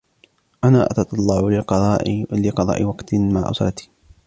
أنا أتتطلع لقضاء وقت مع أُسرتي.